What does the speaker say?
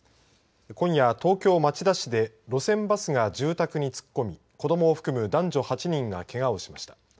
今夜、東京町田市で路線バスが住宅に突っ込み子ども含む男女８人がけがをしました。